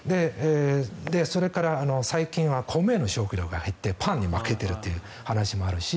それから最近は米の消費量が減ってパンに負けているという話もあるし